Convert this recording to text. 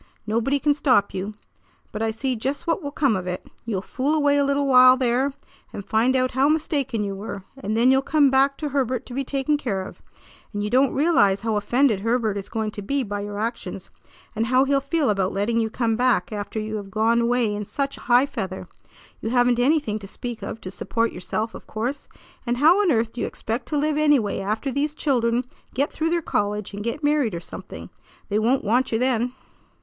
Nobody can stop you. But I see just what will come of it. You'll fool away a little while there, and find out how mistaken you were; and then you'll come back to Herbert to be taken care of. And you don't realize how offended Herbert is going to be by your actions, and how he'll feel about letting you come back after you have gone away in such high feather. You haven't anything to speak of to support yourself, of course, and how on earth do you expect to live anyway after these children get through their college and get married or something? They won't want you then."